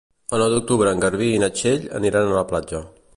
El nou d'octubre en Garbí i na Txell aniran a la platja.